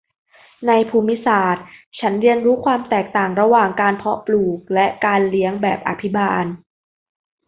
ในภูมิศาสตร์ฉันเรียนรู้ความแตกต่างระหว่างการเพาะปลูกและการเลี้ยงแบบอภิบาล